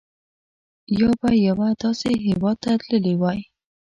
یا به یوه داسې هېواد ته تللي وای.